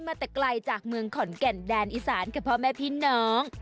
มาแต่ไกลจากเมืองขอนแก่นแดนอีสานกับพ่อแม่พี่น้อง